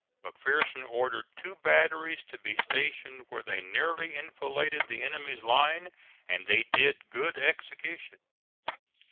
McPherson ordered two batteries to be stationed where they nearly enfiladed the enemy's line, and they did good execution.